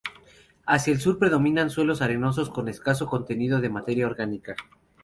Hacia el sur predominan suelos arenosos con escaso contenido de materia orgánica.